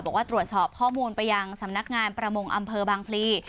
บอกว่าตรวจสอบข้อมูลไปยังสำนักงานประมงอำเภอบางพลี